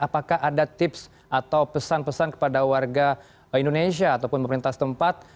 apakah ada tips atau pesan pesan kepada warga indonesia ataupun pemerintah setempat